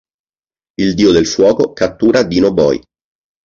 Il Dio del Fuoco cattura Dino Boy.